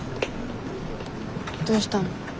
どうしたの？